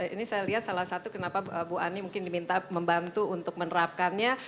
ini saya lihat salah satu kenapa bu ani mungkin diminta membantu untuk menerapkannya